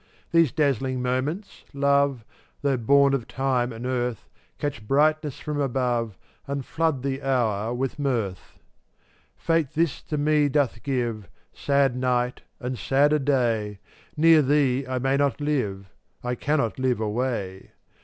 5 These dazzling moments, Love, Though born of time and earth, Catch brightness from above And flood the hour with mirth. 446 Fate this to me doth give: Sad night and sadder day; Near thee I may not live — I cannot live away.